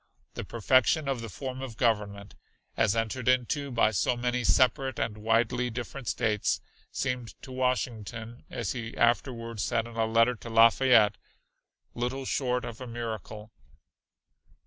The perfection of the form of government, as entered into by so many separate and widely different States, seemed to Washington, as he afterward said in a letter to Lafayette, "little short of a miracle."